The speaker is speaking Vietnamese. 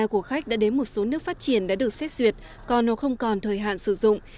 của khách đã đến một số nước phát triển đã được xét xuyệt còn hoặc không còn thời hạn sử dụng